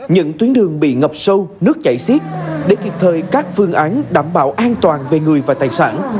những tuyến đường bị ngập sâu nước chảy xiết để kịp thời các phương án đảm bảo an toàn về người và tài sản